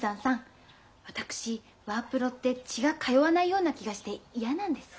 私ワープロって血が通わないような気がして嫌なんです。